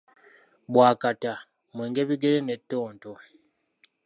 Bbwakata, mwenge bigere ne ttonto.